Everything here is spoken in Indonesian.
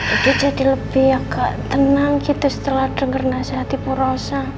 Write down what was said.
itu jadi lebih agak tenang gitu setelah denger nasihat di bu rosa